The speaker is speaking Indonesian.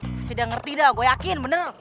masih udah ngerti dah gua yakin bener